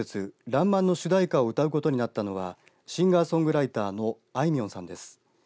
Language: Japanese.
らんまんの主題歌を歌うことになったのはシンガーソングライターのあいみょんさんです。